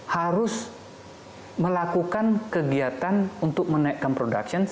harus melakukan kegiatan untuk menaikkan production